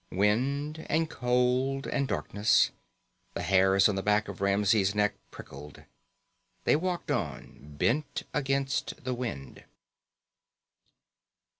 Wind and cold and darkness. The hairs on the back of Ramsey's neck prickled. They walked on, bent against the wind.